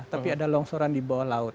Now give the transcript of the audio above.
tapi ada longsoran di bawah laut